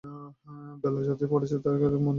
বেলা যতই পড়ে আসছে, কাজে মন দিতে আর পারে না।